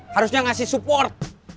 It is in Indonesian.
harusnya ngasih support